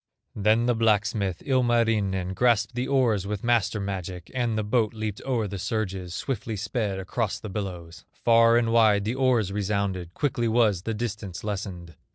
Then the blacksmith, Ilmarinen, Grasped the oars with master magic, And the boat leaped o'er the surges, Swiftly sped across the billows; Far and wide the oars resounded, Quickly was the distance lessened.